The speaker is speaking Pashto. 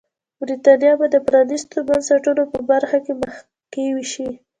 برېټانیا به د پرانیستو بنسټونو په برخه کې مخکې شي.